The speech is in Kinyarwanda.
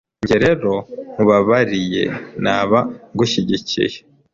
njye rere nkubabariye naba ngushyigikiye